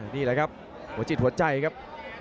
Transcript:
นี่แหละครับหัวจิตหัวใจครับ